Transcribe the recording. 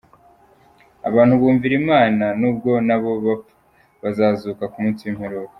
Abantu bumvira imana, nubwo nabo bapfa, bazazuka ku munsi w’imperuka.